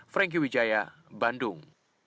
franky wijaya bandung